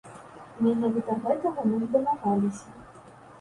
Менавіта гэтага мы і дамагаліся.